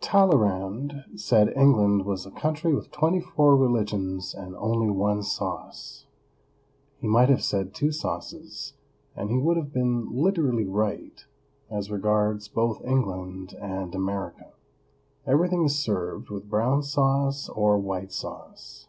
TALLEYRAND said England was a country with twenty four religions and only one sauce. He might have said two sauces, and he would have been literally right as regards both England and America. Everything is served with brown sauce or white sauce.